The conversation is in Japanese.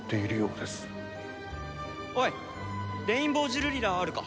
おいレインボージュルリラはあるか？